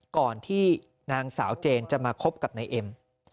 ก่อนที่นางสาวเจนจะมาคบกับนายเอ็ม